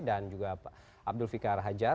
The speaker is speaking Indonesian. dan juga pak abdul fikar hajar